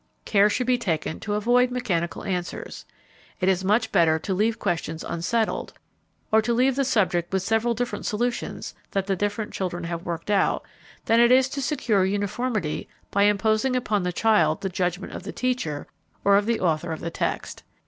Care should be taken to avoid mechanical answers. It is much better to leave questions unsettled, or to leave the subject with several different solutions that the different children have worked out, than it is to secure uniformity by imposing upon the child the judgment of the teacher or of the author of the text.